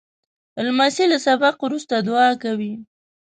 لمسی له سبق وروسته دعا کوي.